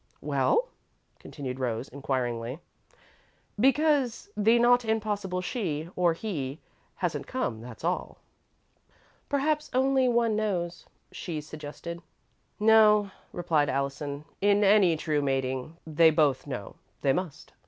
"Well?" continued Rose, inquiringly. "Because 'the not impossible she,' or 'he,' hasn't come, that's all." "Perhaps only one knows," she suggested. "No," replied Allison, "in any true mating, they both know they must."